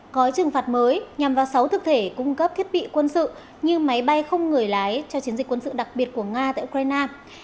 có trừng phạt mới nhằm vào sáu thực thể cung cấp thiết bị quân sự như máy bay không người lái cho chiến dịch quân sự đặc biệt của nga tại ukraine